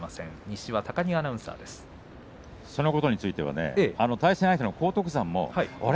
そのことについては対戦相手の荒篤山も、あれ？